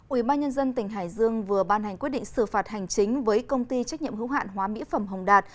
ủy ban nhân dân tỉnh hải dương vừa ban hành quyết định xử phạt hành chính với công ty trách nhiệm hữu hạn hóa mỹ phẩm hồng đạt